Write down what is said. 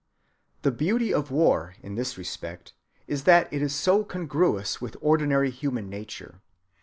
The beauty of war in this respect is that it is so congruous with ordinary human nature.